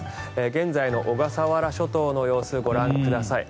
現在の小笠原諸島の様子ご覧ください。